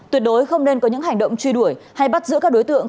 tuyệt đối không nên có những hành động truy đuổi hay bắt giữ các đối tượng